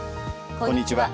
こんにちは。